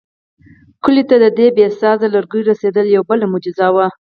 کلیو ته د دې بې سایزه لرګیو رسېدل یوه بله معجزه وه.